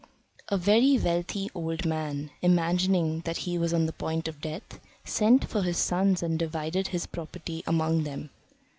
A very wealthy old man, imagining that he was on the point of death, sent for his sons and divided his property among them.